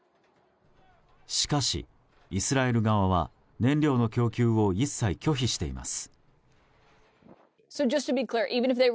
しかし、イスラエル側は燃料の供給を一切拒否しています。